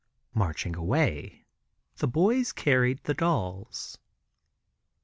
Marching away, the boys carried the dolls.